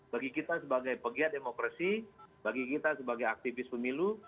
bagi kita sebagai pegiat demokrasi bagi kita sebagai aktivis pemilu